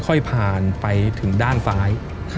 ค่อยผ่านไปถึงด้านซ้าย